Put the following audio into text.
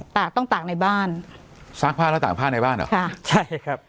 ตากต้องตากในบ้านซักผ้าแล้วตากผ้าในบ้านเหรอค่ะใช่ครับ